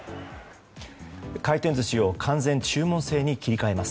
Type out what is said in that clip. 回転寿司を完全注文制に切り替えます。